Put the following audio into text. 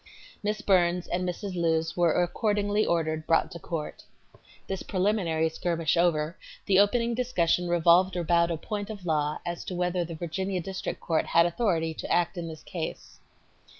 Miss Burns and Mrs. Lewes were accordingly ordered brought to court. This preliminary skirmish over, the opening discussion revolved about a point of law as to whether the Virginia District Court had authority to act in this case.